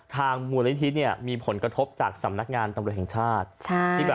มูลนิธิเนี่ยมีผลกระทบจากสำนักงานตำรวจแห่งชาติ